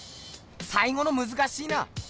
さいごのむずかしいな！